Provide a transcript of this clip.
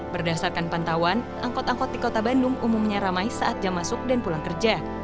berdasarkan pantauan angkot angkot di kota bandung umumnya ramai saat jam masuk dan pulang kerja